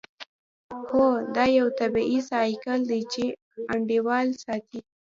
هو دا یو طبیعي سایکل دی چې انډول ساتي